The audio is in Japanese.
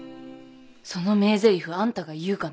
その名ぜりふあんたが言うかね？